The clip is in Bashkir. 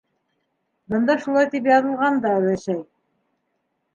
Бында шулай тип яҙылған да, өләсәй.